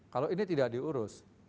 kalau ini tidak diurus